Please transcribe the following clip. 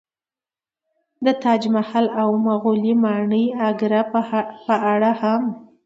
د تاج محل او مغولي ماڼۍ اګره په اړه هم